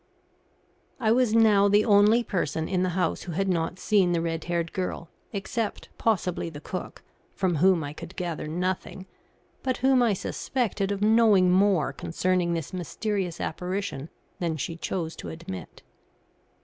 I was now the only person in the house who had not seen the red haired girl, except possibly the cook, from whom I could gather nothing, but whom I suspected of knowing more concerning this mysterious apparition than she chose to admit.